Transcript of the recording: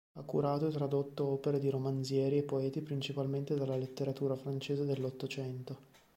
Ha curato e tradotto opere di romanzieri e poeti principalmente della letteratura francese dell'Ottocento.